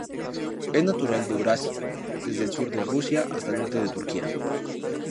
Es natural de Eurasia, desde el sur de Rusia hasta el norte de Turquía.